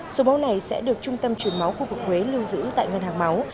số máu này sẽ được trung tâm truyền máu khu vực huế lưu giữ tại ngân hàng máu